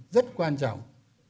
rất quan trọng